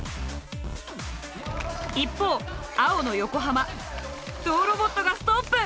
一方青の横浜ゾウロボットがストップ！